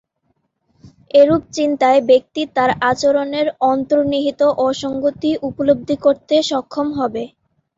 এরূপ চিন্তায় ব্যক্তি তার আচরণের অন্তর্নিহিত অসঙ্গতি উপলব্ধি করতে সক্ষম হবে।